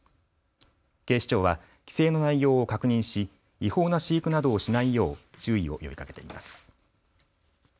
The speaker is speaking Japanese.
警視庁は規制の内容を確認し違法な飼育などをしないよう注意を呼びかけています。